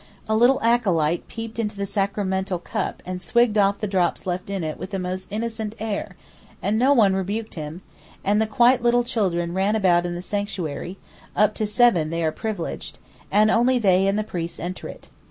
A little acolyte peeped into the sacramental cup and swigged off the drops left in it with the most innocent air, and no one rebuked him, and the quite little children ran about in the sanctuary—up to seven they are privileged—and only they and the priests enter it.